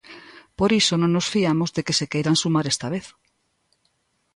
Por iso non nos fiamos de que se queiran sumar esta vez.